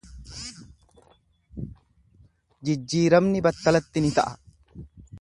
Jijjiiramni battalatti ni ta'a.